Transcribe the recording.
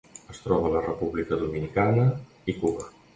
Es troba a la República Dominicana i Cuba.